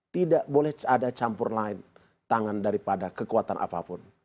tidak boleh ada campur lain tangan daripada kekuatan apapun